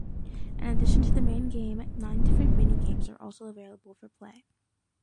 In addition to the main game, nine different mini-games are also available for play.